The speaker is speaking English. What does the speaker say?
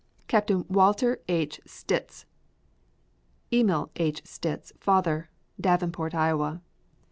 Captain Walter H. Sitz; Emil H. Sitz, father; Davenport, Iowa.